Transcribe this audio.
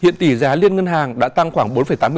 ngân hàng đã tăng khoảng bốn tám mươi sáu